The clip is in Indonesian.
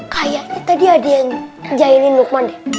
kayaknya tadi ada yang jahilin lukman deh